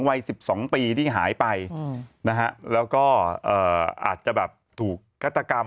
เด็กหญิง๑๒ปีที่หายไปแล้วก็อาจจะแบบถูกฆะตกรรม